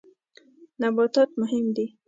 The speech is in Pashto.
نباتات مهم دي.